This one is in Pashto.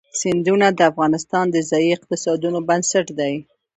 سیندونه د افغانستان د ځایي اقتصادونو بنسټ دی.